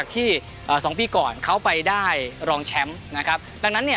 ที่สองปีก่อนเขาไปได้รองแชมป์นะครับดังนั้นเนี่ย